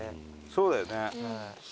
そうだよね。